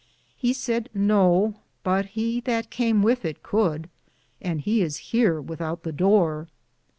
He sayd no, but he that came with it coulde, and he is heare without the dore.